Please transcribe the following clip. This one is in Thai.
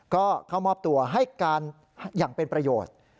ก็เข้ามอบตัวให้การอย่างเป็นประโยชน์